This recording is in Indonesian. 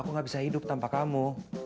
aku gak bisa hidup tanpa kamu